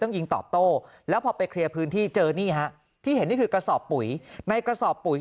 ยิงตอบโต้แล้วพอไปเคลียร์พื้นที่เจอนี่ฮะที่เห็นนี่คือกระสอบปุ๋ยในกระสอบปุ๋ย